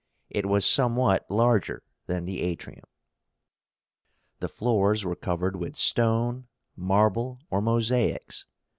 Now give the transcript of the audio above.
It was somewhat larger than the Atrium. The floors were covered with stone, marble, or mosaics.